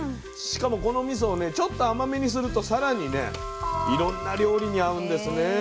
しかもこのみそをちょっと甘めにするとさらにねいろんな料理に合うんですね。